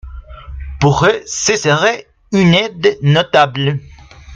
Pour eux, ce serait une aide notable.